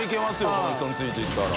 この人についていったら。